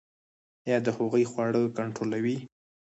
ایا د هغوی خواړه کنټرولوئ؟